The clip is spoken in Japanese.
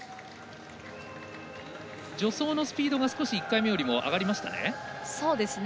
助走のスピードが少し１回目よりも上がりましたね。